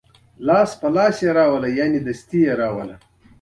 جهاد او مقاومت د کولاب په سوړه ومانډه.